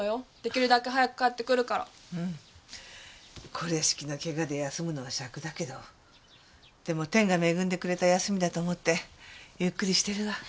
これしきのケガで休むのはしゃくだけどでも天が恵んでくれた休みだと思ってゆっくりしてるわ。